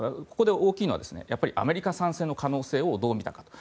ここで大きいのはアメリカ参戦の可能性をどう見たか。